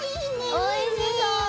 おいしそう！